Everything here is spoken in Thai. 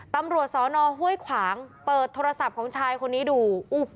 ตำรวจสอนอห้วยขวางเปิดโทรศัพท์ของชายคนนี้ดู